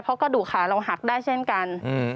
เพราะกระดูกขาเราหักได้เช่นกัน